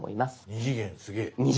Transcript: ２次元すげぇ。